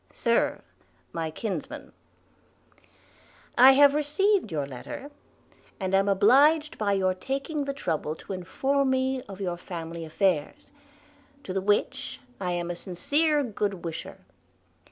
'Sir, my kinsman, 'I HAVE received youre letter, and am oblidged by youre taking the troubbel to informe me of youre famely affaires, to the wich I am a sinceer goode wisher.